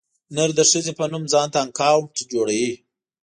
نر د ښځې په نوم ځانته اکاونټ جوړوي.